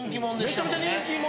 めちゃくちゃ人気者。